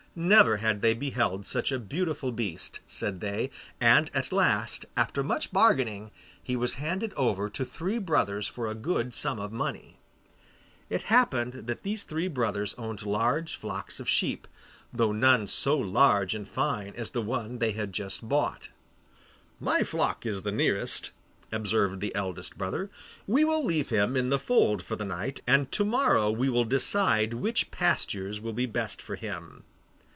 Never had they beheld such a beautiful beast, said they, and at last, after much bargaining, he was handed over to three brothers for a good sum of money. It happened that these three brothers owned large flocks of sheep, though none so large and fine as the one they had just bought. 'My flock is the nearest,' observed the eldest brother; 'we will leave him in the fold for the night, and to morrow we will decide which pastures will be best for him.